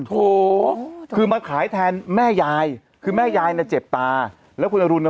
โถคือมาขายแทนแม่ยายคือแม่ยายน่ะเจ็บตาแล้วคุณอรุณอ่ะ